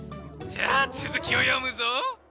じゃあつづきをよむぞ。